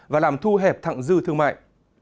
và làm thu hẹp thẳng dư thương mại